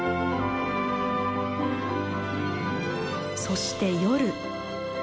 そして夜。